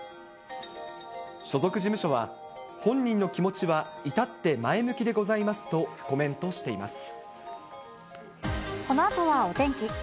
所属事務所は、本人の気持ちは至って前向きでございますとコメントしています。